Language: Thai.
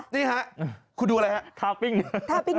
นี่ค่ะคุณดูอะไรค่ะ